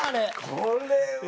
これは。